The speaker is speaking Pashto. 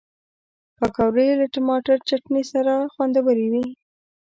پکورې له ټماټر چټني سره خوندورې وي